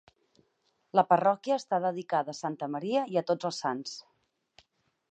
La parròquia està dedicada a Santa Maria i a tots els sants.